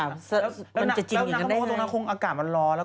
แล้วนางเขาบอกว่าตรงนั้นคงอากาศมันร้อน